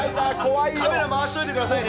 カメラ回しといてくださいね。